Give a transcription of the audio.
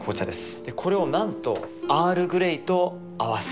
これをなんとアールグレイと合わせる。